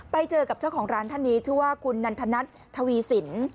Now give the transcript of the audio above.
ไปเจอกับเจ้าของร้านท่านนี้ชื่อว่าคุณนันทนัททวีสิน